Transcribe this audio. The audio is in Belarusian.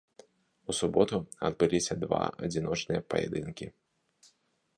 У суботу адбыліся два адзіночныя паядынкі.